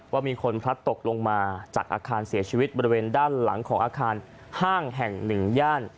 ว่ามีคนพลัดตกลงมาจากอาคารเสียชีวิตบริเวณด้านหลังของอาคารห้างแห่งหนึ่งย่าน